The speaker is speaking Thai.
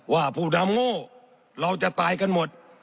ผู้นำโง่เราจะตายกันหมด